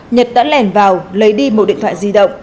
nhật đã lèn vào lấy đi một điện thoại di động